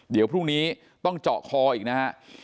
เดี๋ยวพรุ่งนี้ต้องเจาะคออีกนะฮะ